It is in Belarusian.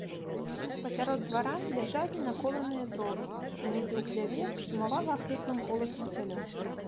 Пасярод двара ляжалі наколаныя дровы, і недзе ў хляве сумавала ахрыплым голасам цялё.